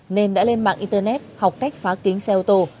nên đã lên mạng internet học cách phá kính xe ô tô